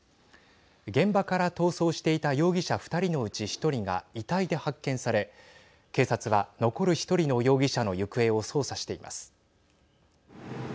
現場から逃走していた容疑者２人のうち１人が遺体で発見され警察は、残る１人の容疑者の行方を捜査しています。